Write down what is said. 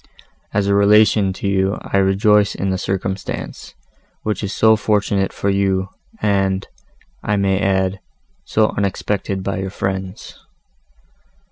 As a relation to you I rejoice in the circumstance, which is so fortunate for you, and, I may add, so unexpected by your friends."